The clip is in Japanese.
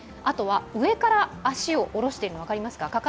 あとは上から足を下ろしているのが分かりますか？